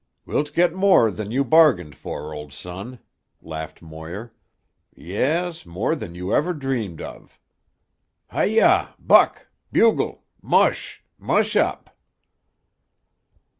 "Wilt get more than you bargained for, old son," laughed Moir. "Yes, more than you ever dreamed of. Hi yah! Buck! Bugle! Mush; mush up!"